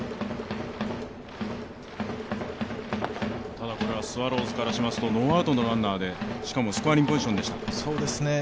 ただ、スワローズからしますとノーアウトのランナーでしかも、スコアリングポジションでした。